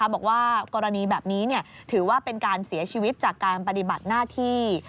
บอกว่ากรณีแบบนี้ถือว่าเป็นการเสียชีวิตจากการปฏิบัติหน้าที่